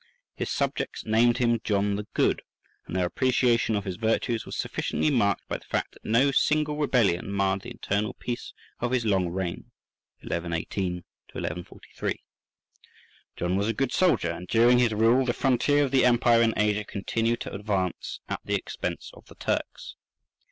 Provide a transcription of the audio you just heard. His subjects named him "John the Good," and their appreciation of his virtues was sufficiently marked by the fact that no single rebellion(27) marred the internal peace of his long reign. [1118 1143.] John was a good soldier, and during his rule the frontier of the empire in Asia continued to advance, at the expense of the Turks.